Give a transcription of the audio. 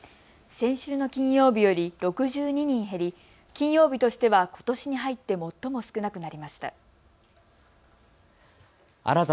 先週の金曜日より６２人減り、金曜日としては、ことしに入って最も少なくなりました。